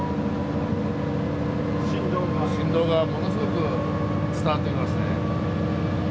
振動がものすごく伝わってきますね。